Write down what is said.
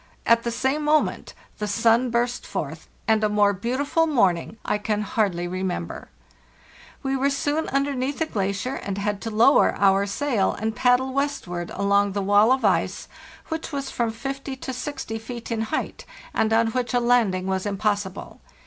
At the same moment the sun burst forth, and a more beautiful morning I can hardly remember. We were soon underneath the glacier, and had to lower our sail and paddle westward along the wall of ice, which was from 50 to 60 feet in height, and on which a landing was impossible.